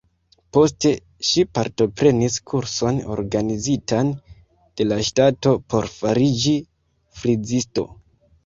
Poste ŝi partoprenis kurson organizitan de la ŝtato por fariĝi frizisto.